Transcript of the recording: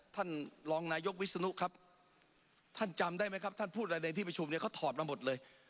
ท่านรองนายกวิศนุครับท่านจำได้ไหมครับท่านพูดอะไรในที่ประชุมเนี่ยเขาถอดมาหมดเลย